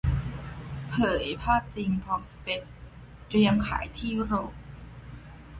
เผยภาพจริงพร้อมสเปกเตรียมขายที่ยุโรป